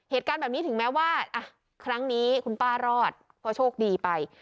เหตุการณ์แบบนี้ถึงแม้ว่าครั้งนี้คุณป้ารอดก็โชคดีไป